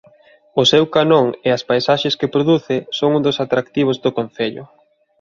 O seu canón e as paisaxes que produce son un dos atractivos do concello.